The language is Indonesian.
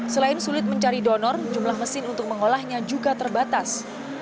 selain sulit mencari donor jumlah mesin untuk mengolahnya juga terbatas